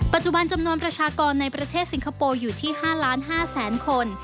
ปัจจุบันจำนวนประชากรในประเทศสิงคโปร์อยู่ที่๕๕๐๐๐คน